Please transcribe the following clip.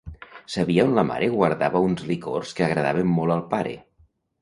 Sabia on la mare guardava uns licors que agradaven molt al pare.